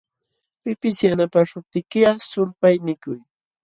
Pipis yanapaśhuptiykiqa, sulpaynikuy.